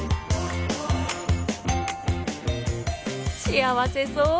幸せそう！